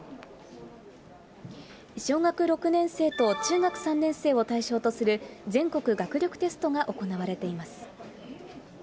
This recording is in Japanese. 小学６年生と中学３年生を対象とする、全国学力テストが行われています。